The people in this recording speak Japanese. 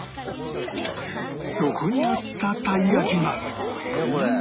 そこにあったたい焼きがなんや？